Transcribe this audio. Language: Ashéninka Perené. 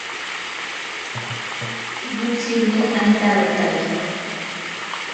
Noshinto antarotake.